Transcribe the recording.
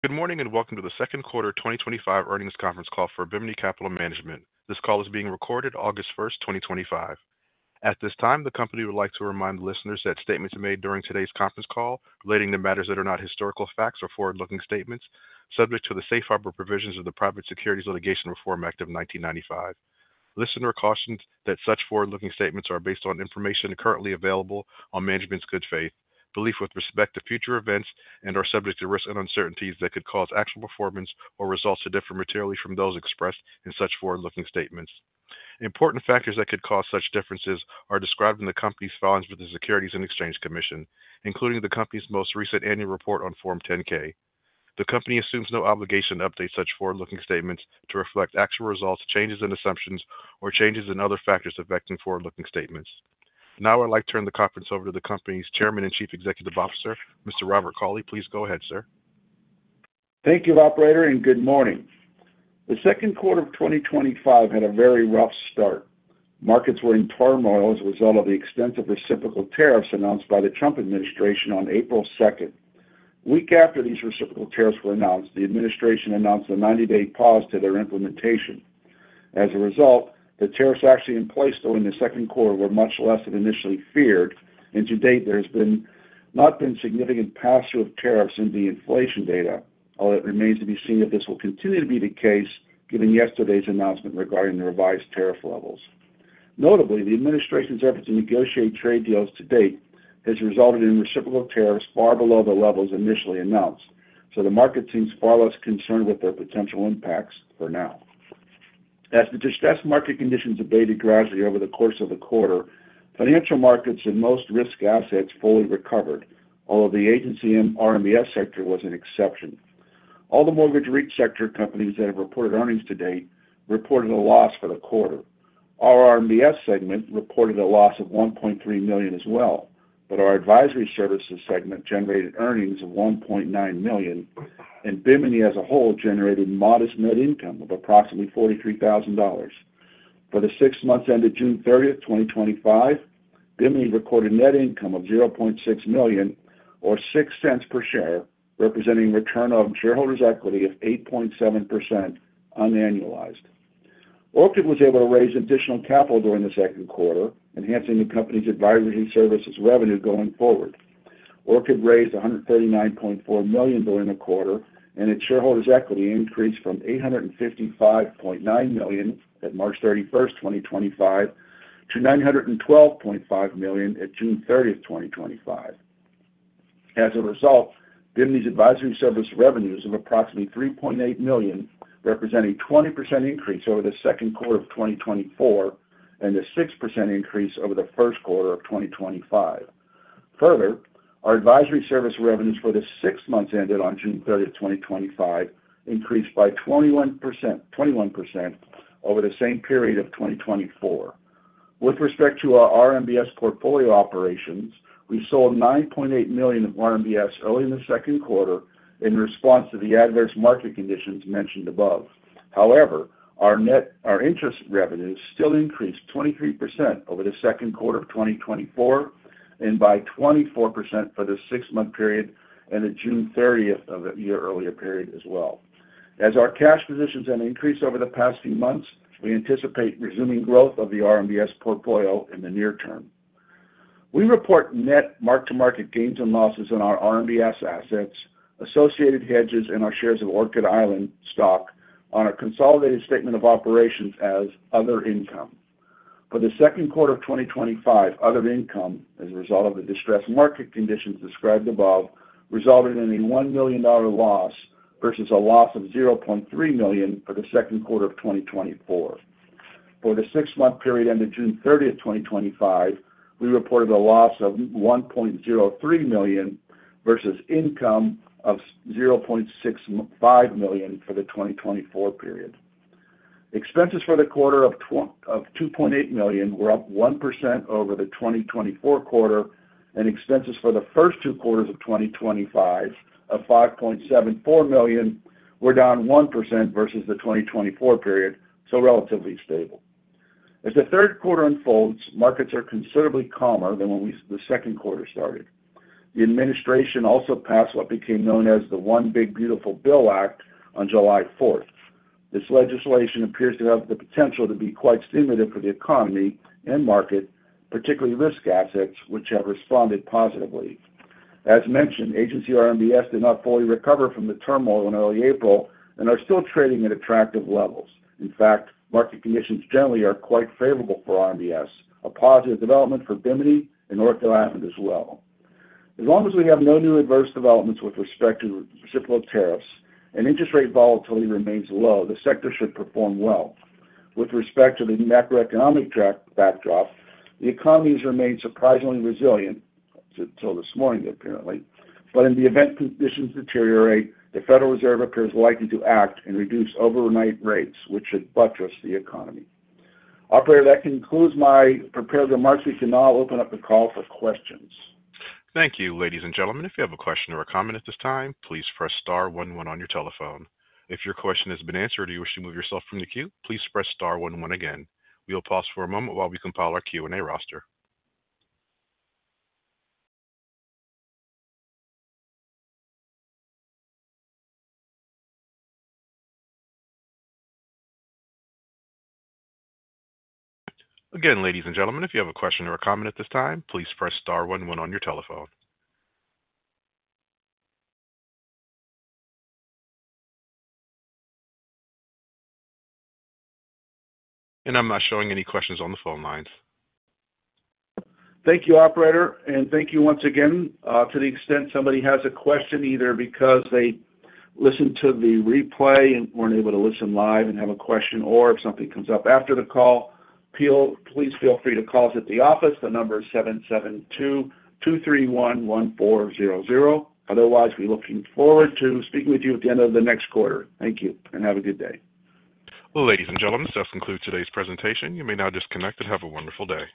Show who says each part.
Speaker 1: Good morning, and welcome to the Second Quarter 2025 Earnings Conference Call for Bimini Capital Management. This call is being recorded, August 1st, 2025. At this time, the company would like to remind listeners that statements made during today's conference call relating to matters that are not historical facts are forward-looking statements subject to the safe harbor provisions of the Private Securities Litigation Reform Act of 1995. Listeners are cautioned that such forward-looking statements are based on information currently available and management's good faith belief with respect to future events, and are subject to risks and uncertainties that could cause actual performance or results to differ materially from those expressed in such forward-looking statements. Important factors that could cause such differences are described in the company's filings with the Securities and Exchange Commission, including the company's most recent annual report on Form 10-K. The company assumes no obligation to update such forward-looking statements to reflect actual results, changes in assumptions, or changes in other factors affecting forward-looking statements. Now I'd like to turn the conference over to the company's Chairman and Chief Executive Officer, Mr. Robert E. Cauley. Please go ahead, sir.
Speaker 2: Thank you, Operator, and good morning. The second quarter of 2025 had a very rough start. Markets were in turmoil as a result of the extensive reciprocal tariffs announced by the Trump administration on April 2nd. A week after these reciprocal tariffs were announced, the administration announced a 90-day pause to their implementation. As a result, the tariffs actually in place during the second quarter were much less than initially feared, and to date, there has not been significant pass-through of tariffs in the inflation data, although it remains to be seen if this will continue to be the case given yesterday's announcement regarding the revised tariff levels. Notably, the administration's effort to negotiate trade deals to date has resulted in reciprocal tariffs far below the levels initially announced, so the market seems far less concerned with their potential impacts for now. As the distressed market conditions abated gradually over the course of the quarter, financial markets and most risk assets fully recovered, although the agency RMBS sector was an exception. All the mortgage REIT sector companies that have reported earnings to date reported a loss for the quarter. Our RMBS segment reported a loss of $1.3 million as well, but our advisory services segment generated earnings of $1.9 million, and Bimini as a whole generated modest net income of approximately $43,000. For the six months ended June 30th, 2025, Bimini recorded net income of $0.6 million or $0.06 per share, representing a return on shareholders' equity of 8.7% unannualized. Orchid was able to raise additional capital during the second quarter, enhancing the company's advisory services revenue going forward. Orchid raised $139.4 million during the quarter, and its shareholders' equity increased from $855.9 million at March 31st, 2025, to $912.5 million at June 30th, 2025. As a result, Bimini's advisory services revenues of approximately $3.8 million represent a 20% increase over the second quarter of 2024 and a 6% increase over the first quarter of 2025. Further, our advisory services revenues for the six months ended on June 30th, 2025, increased by 21% over the same period of 2024. With respect to our RMBS portfolio operations, we sold $9.8 million of RMBS early in the second quarter in response to the adverse market conditions mentioned above. However, our net interest revenues still increased 23% over the second quarter of 2024 and by 24% for the six-month period ended June 30th of the year earlier period as well. As our cash positions have increased over the past few months, we anticipate resuming growth of the RMBS portfolio in the near term. We report net mark-to-market gains and losses in our RMBS assets, associated hedges, and our shares of Orchid Island Capital stock on a consolidated statement of operations as other income. For the second quarter of 2025, other income, as a result of the distressed market conditions described above, resulted in a $1 million loss versus a loss of $0.3 million for the second quarter of 2024. For the six-month period ended June 30th, 2025, we reported a loss of $1.03 million versus income of $0.65 million for the 2024 period. Expenses for the quarter of $2.8 million were up 1% over the 2024 quarter, and expenses for the first two quarters of 2025 of $5.74 million were down 1% versus the 2024 period, so relatively stable. As the third quarter unfolds, markets are considerably calmer than when the second quarter started. The administration also passed what became known as the One Big Beautiful Bill Act on July 4th. This legislation appears to have the potential to be quite stimulative for the economy and market, particularly risk assets, which have responded positively. As mentioned, agency RMBS did not fully recover from the turmoil in early April and are still trading at attractive levels. In fact, market conditions generally are quite favorable for RMBS, a positive development for Bimini and Orchid Island as well. As long as we have no new adverse developments with respect to reciprocal tariffs and interest rate volatility remains low, the sector should perform well. With respect to the macroeconomic backdrop, the economy has remained surprisingly resilient until this morning, apparently, but in the event conditions deteriorate, the Federal Reserve appears likely to act and reduce overnight rates, which should buttress the economy. Operator, that concludes my prepared remarks. We can now open up the call for questions.
Speaker 1: Thank you, ladies and gentlemen. If you have a question or a comment at this time, please press star one one on your telephone. If your question has been answered or you wish to remove yourself from the queue, please press star one one again. We'll pause for a moment while we compile our Q&A roster. Again, ladies and gentlemen, if you have a question or a comment at this time, please press star one one on your telephone. I'm not showing any questions on the phone lines.
Speaker 2: Thank you, Operator, and thank you once again. To the extent somebody has a question, either because they listened to the replay and weren't able to listen live and have a question, or if something comes up after the call, please feel free to call us at the office. The number is 772-231-1400. Otherwise, we're looking forward to speaking with you at the end of the next quarter. Thank you, and have a good day.
Speaker 1: Ladies and gentlemen, this does conclude today's presentation. You may now disconnect and have a wonderful day.